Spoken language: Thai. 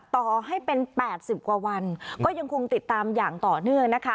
ต่อให้เป็น๘๐กว่าวันก็ยังคงติดตามอย่างต่อเนื่องนะคะ